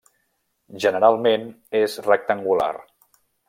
Generalment, és rectangular.